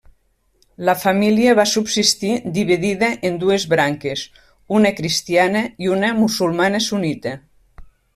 La família va subsistir dividida en dues branques, una cristiana i una musulmana sunnita.